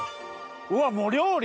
うわもう料理！